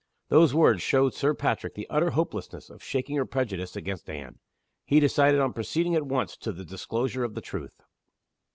Those words showed Sir Patrick the utter hopelessness of shaking her prejudice against Anne. He decided on proceeding at once to the disclosure of the truth.